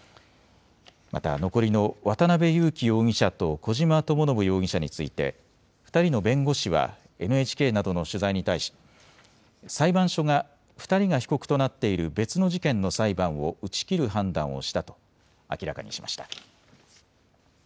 また残りの渡邉優樹容疑者と小島智信容疑者について２人の弁護士はＮＨＫなどの取材に対し裁判所が２人が被告となっている別の事件の裁判を打ち切る判断をしたと明らかにしました。